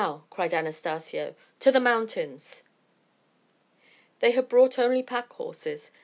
cried Anastacio, "to the mountains." They had brought only pack horses.